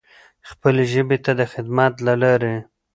خپلې ژبې ته د خدمت له لارې.